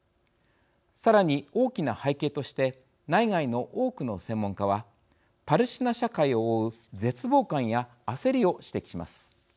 さらに大きな背景として内外の多くの専門家はパレスチナ社会を覆う絶望感や焦りを指摘します。